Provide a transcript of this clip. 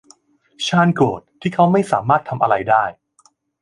ชาร์ลโกรธที่เขาไม่สามารถทำอะไรได้